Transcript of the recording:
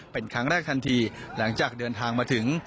เป็นครั้งแรกทันทีหลังจากเดินทางมาถึง